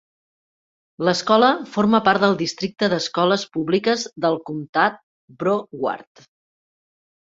L'escola forma part del districte d'escoles públiques del comtat Broward.